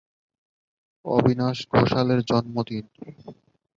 অবিনাশ ঘোষালের জন্মদিন।